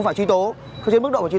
cái này của khách ạ